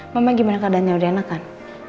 mama gimana keadaannya udah enak kan